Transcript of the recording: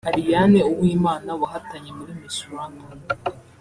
Ariane_uwimana wahatanye muri Miss Rwanda